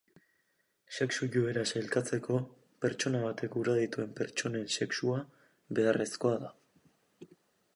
Sexu-joera sailkatzeko pertsona batek gura dituen pertsonen sexua beharrezkoa da.